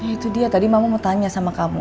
itu dia tadi mama mau tanya sama kamu